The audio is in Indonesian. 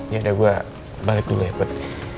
yaudah gue balik dulu ya put